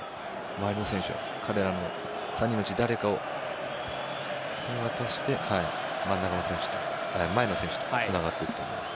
周りの選手は彼らの３人のうち誰かに渡して、前の選手とつながっていくと。